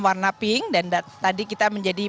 warna pink dan tadi kita menjadi